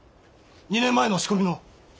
２年前の押し込みの。